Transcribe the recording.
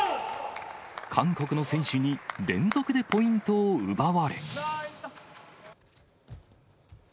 韓国の選手に、連続でポイントを奪われ。